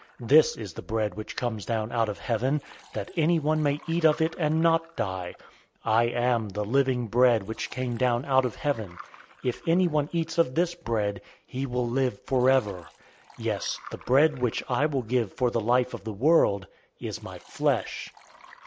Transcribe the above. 006:050 This is the bread which comes down out of heaven, that anyone may eat of it and not die. 006:051 I am the living bread which came down out of heaven. If anyone eats of this bread, he will live forever. Yes, the bread which I will give for the life of the world is my flesh."